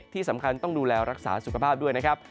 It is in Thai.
ที่สำคัญต้องดูแลรักษาสุขภาพด้วยนะครับ